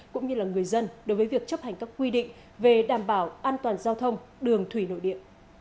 cũng như là người dân đối với việc chấp hành các quy định về đảm bảo an toàn giao thông đường thủy nội địa